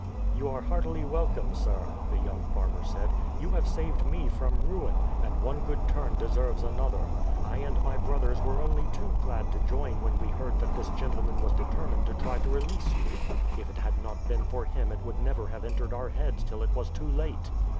"You are heartily welcome, sir," the young farmer said. "You have saved me from ruin, and one good turn deserves another. I and my brothers were only too glad to join when we heard that this gentleman was determined to try to release you. If it had not been for him it would never have entered our heads till it was too late."